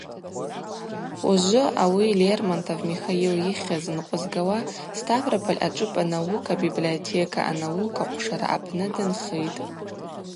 Ужвы ауи Лермонтов Михаил йыхьыз нкъвызгауа Ставрополь ашӏыпӏа наука библиотека анаука хъвшара апны дынхитӏ.